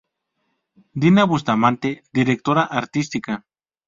Diana Bustamante: Directora Artística.